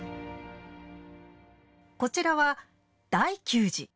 こちらは大久寺。